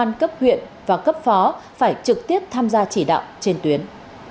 công an cấp huyện và cấp phó phải trực tiếp tham gia chỉ đạo trên tuyến